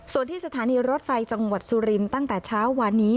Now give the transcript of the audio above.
ส่วนที่สถานีรถไฟจังหวัดสุรินทร์ตั้งแต่เช้าวานนี้